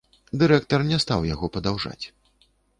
Дырэктар не стаў яго падаўжаць.